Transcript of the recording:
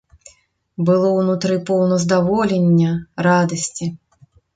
Было ўнутры поўна здаволення, радасці.